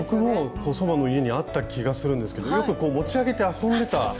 僕も祖母の家にあった気がするんですけどよくこう持ち上げて遊んでた。